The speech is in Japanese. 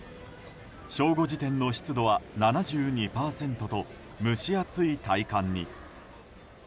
正午時点の湿度は７２％と蒸し暑い体感に。